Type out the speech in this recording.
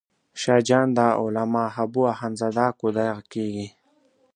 شاه جان د علامه حبو اخند زاده کودی کېږي.